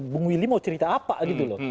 bung willy mau cerita apa gitu loh